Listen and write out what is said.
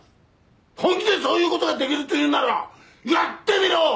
本気でそういう事ができるというならやってみろ！